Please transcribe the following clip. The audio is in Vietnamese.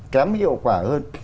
kém hiệu quả hơn